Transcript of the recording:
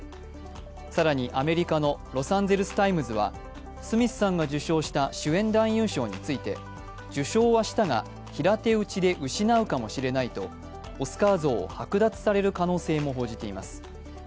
更に、アメリカの「ロサンゼルス・タイムズ」はスミスさんが受賞した主演男優賞について受賞はしたが平手打ちで失うかもしれないとオスカー像を剥奪される可能性も報じています。